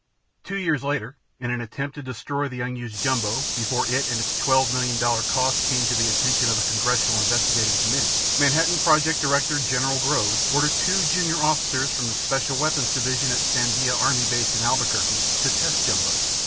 Two years later, in an attempt to destroy the unused Jumbo before it and its 12 million dollar cost came to the attention of a congressional investigating committee, Manhattan Project Director General Groves ordered two junior officers from the Special Weapons Division at Sandia Army Base in Albuquerque to test Jumbo.